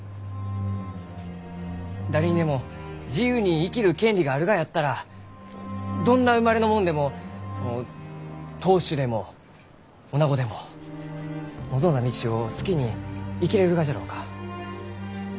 誰にでも自由に生きる権利があるがやったらどんな生まれの者でもその当主でもおなごでも望んだ道を好きに生きれるがじゃろうか？